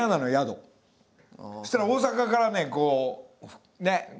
そしたら大阪からねこうねっ。